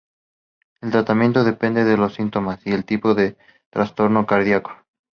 El tratamiento depende de los síntomas, y el tipo de trastorno cardíaco.